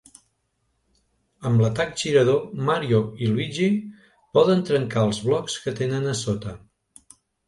Amb l'atac girador Mario i Luigi poden trencar els blocs que tenen a sota.